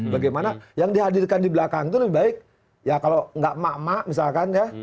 bagaimana yang dihadirkan di belakang itu lebih baik ya kalau nggak emak emak misalkan ya